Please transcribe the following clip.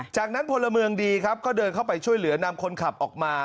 จากนั้นพลเมืองดีครับก็เดินเข้าไปช่วยเหลือนำคนขับออกมา